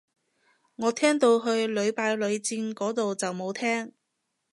我聽到去屢敗屢戰個到就冇聽